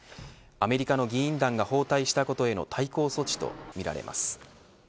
アメリカの議員団が訪台したことへの対抗措置とみられます。